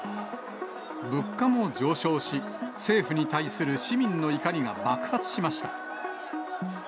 物価も上昇し、政府に対する市民の怒りが爆発しました。